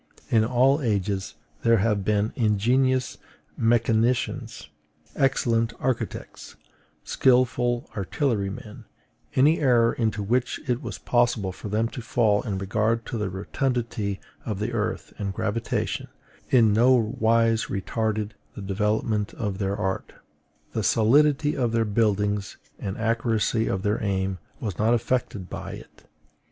In all ages there have been ingenious mechanicians, excellent architects, skilful artillerymen: any error, into which it was possible for them to fall in regard to the rotundity of the earth and gravitation, in no wise retarded the development of their art; the solidity of their buildings and accuracy of their aim was not affected by it.